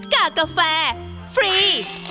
กล้ากาแฟฟรี